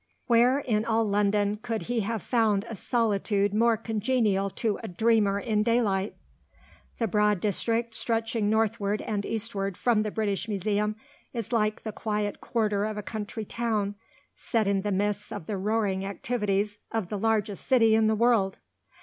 Where, in all London, could he have found a solitude more congenial to a dreamer in daylight? The broad district, stretching northward and eastward from the British Museum, is like the quiet quarter of a country town set in the midst of the roaring activities of the largest city in the world.